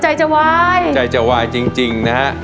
อ๋อชัยจะวายใจจะวายจริงจริงนะฮะ